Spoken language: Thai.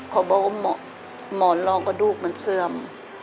เขาบอกว่าหมอนรองกระดูกมันเสื่อม